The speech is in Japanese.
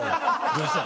「どうしたん？」